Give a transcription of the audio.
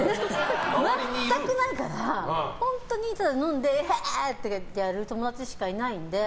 全くないから本当にただ飲んでイエーイ！ってやる友達しかいないので。